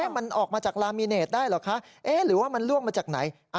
มันออกมาจากลามิเนตได้เหรอคะหรือว่ามันล่วงมาจากไหน